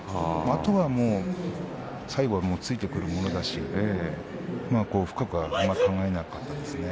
あとは最後はついてくるものだし深くは考えなかったですね。